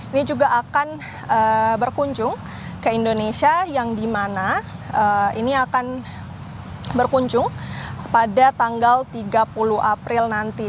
ini juga akan berkunjung ke indonesia yang dimana ini akan berkunjung pada tanggal tiga puluh april nanti